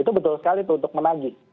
itu betul sekali tuduh untuk menagih